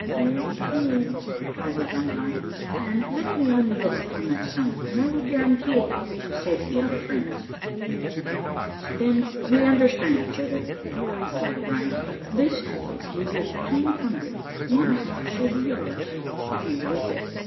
"Very true," replied the gendarme; "and let me only look upon that sum, and I will guarantee a positive safety out of France." "Then we understand each other," replied O'Brien; "this boy will give two hundred one half shall be yours, if you will assist."